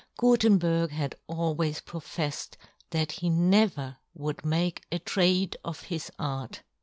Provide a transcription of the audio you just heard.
Gutenberg had always profeifed that he never would make a trade of his art.